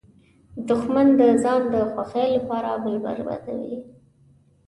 دښمن د ځان د خوښۍ لپاره بل بربادوي